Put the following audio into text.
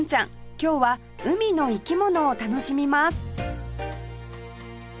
今日は海の生き物を楽しみます